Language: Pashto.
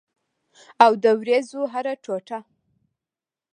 او د اوریځو هره ټوټه